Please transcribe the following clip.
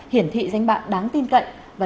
hiển thị danh bạn đáng tin cạnh và